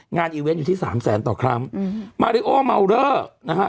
อีเวนต์อยู่ที่สามแสนต่อครั้งอืมมาริโอเมาเลอร์นะฮะ